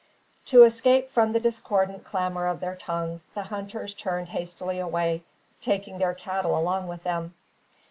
To escape from the discordant clamour of their tongues, the hunters turned hastily away, taking their cattle along with them.